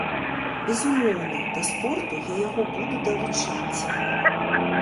Безумоўна, да спорту я яго буду далучаць.